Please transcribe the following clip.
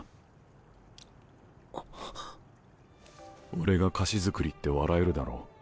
俺が菓子作りって笑えるだろ。